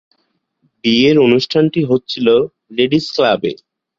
বিয়ের অনুষ্ঠানটি হচ্ছিল লেডিজ ক্লাবে।